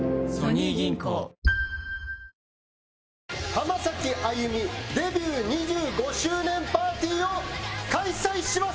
浜崎あゆみデビュー２５周年パーティーを開催します！